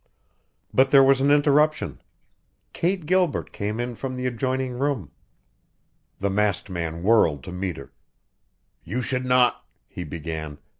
But there was an interruption. Kate Gilbert came in from the adjoining room. The masked man whirled to meet her. "You should not " he began.